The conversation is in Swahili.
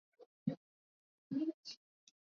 ni hali tete katika mji huu wa bangkok nchini thailand